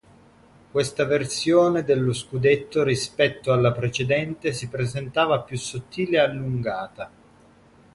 Questa versione dello scudetto, rispetto alla precedente, si presentava più sottile e allungata.